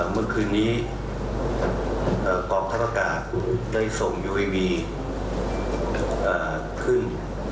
เมื่อคืนนี้กองทัพอากาศได้ส่งยูเอวีขึ้น